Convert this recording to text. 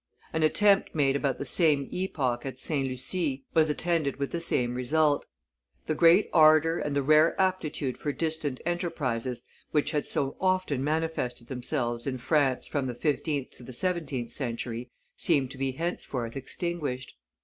An attempt made about the same epoch at St. Lucie was attended with the same result. The great ardor and the rare aptitude for distant enterprises which had so often manifested themselves in France from the fifteenth to the seventeenth century seemed to be henceforth extinguished.